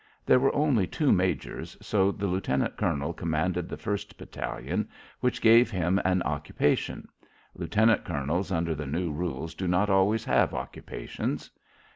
There were only two majors, so the lieutenant colonel commanded the first battalion, which gave him an occupation. Lieutenant colonels under the new rules do not always have occupations.